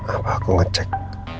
apa aku ngecek